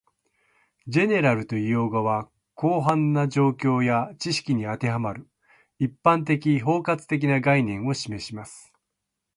"General" という用語は、広範な状況や知識に当てはまる、一般的・包括的な概念を示します